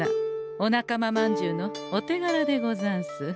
お仲間まんじゅうのお手がらでござんす。